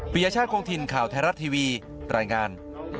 ยชาติคงถิ่นข่าวไทยรัฐทีวีรายงาน